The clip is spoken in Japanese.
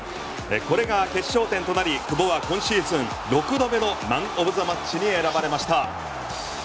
これが決勝点となり久保は今シーズン６度目のマン・オブ・ザ・マッチに選ばれました。